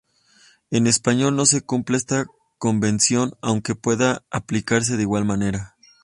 En español no se cumple esta convención, aunque puede aplicarse de igual manera.